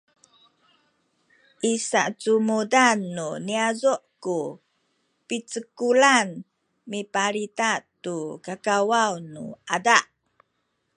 i sacumudan nu niyazu’ ku picekulan mipalita tu kakawaw nu ada